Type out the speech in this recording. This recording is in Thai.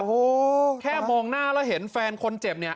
โอ้โหแค่มองหน้าแล้วเห็นแฟนคนเจ็บเนี่ย